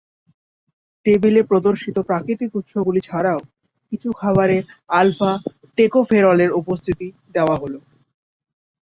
টেবিলে প্রদর্শিত প্রাকৃতিক উৎসগুলি ছাড়াও, কিছু খাবারে আলফা-টোকোফেরলের উপস্থিতি দেওয়া হলো।